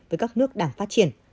với các nước đang phát triển